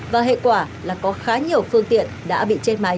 và hệ quả là có khá nhiều phương tiện đã bị chết máy